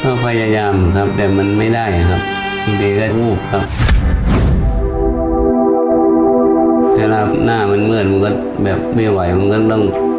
ก็พยายามครับแต่มันไม่ได้ครับบางทีก็วูบครับเวลาหน้ามันมืดมันก็แบบไม่ไหวมันก็ต้อง